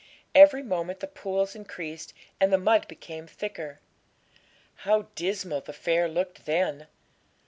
Every moment the pools increased and the mud became thicker. How dismal the fair looked then!